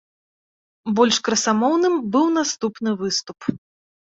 Больш красамоўным быў наступны выступ.